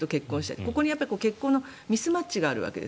ここに結婚のミスマッチがあるわけです。